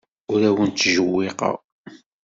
Ur awen-ttjewwiqeɣ.